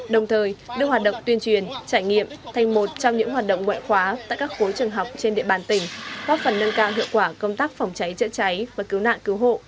đồng thời đưa hoạt động tuyên truyền trải nghiệm thành một trong những hoạt động ngoại khóa tại các khối trường học trên địa bàn tỉnh góp phần nâng cao hiệu quả công tác phòng cháy chữa cháy và cứu nạn cứu hộ